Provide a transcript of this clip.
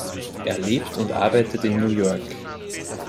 Er lebt und arbeitet in New York.